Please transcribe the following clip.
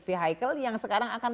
vehicle yang sekarang akan